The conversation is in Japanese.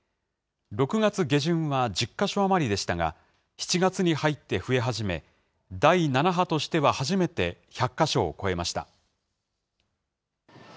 ６月下旬は１０か所余りでしたが、７月に入って増え始め、第７波としては初めて、１００か所を超えました。